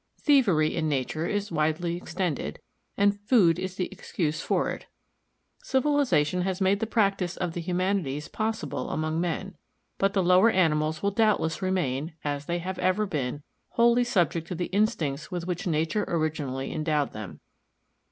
Thievery in nature is widely extended, and food is the excuse for it. Civilization has made the practice of the humanities possible among men, but the lower animals will doubtless remain, as they have ever been, wholly subject to the instincts with which nature originally endowed them.